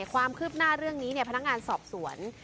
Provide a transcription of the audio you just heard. ความคืบหน้าเรื่องนี้พนักงานสอบสวน